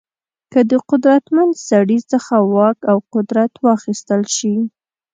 که د قدرتمن سړي څخه واک او قدرت واخیستل شي.